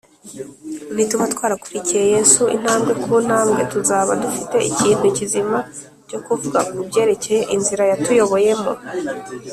ni tuba twarakurikiye yesu intambwe ku ntambwe, tuzaba dufite ikintu kizima cyo kuvuga ku byerekeye inzira yatuyoboyemo